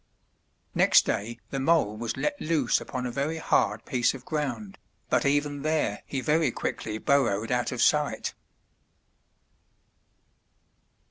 Next day the mole was let loose upon a very hard piece of ground, but even there he very quickly burrowed out of sight.